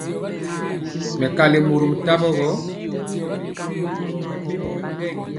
Mɛkali mɔrom tawo gɔ.